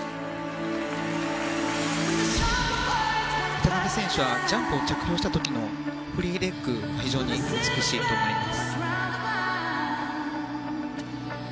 渡辺選手はジャンプを着氷した時のフリーレッグが非常に美しいと思います。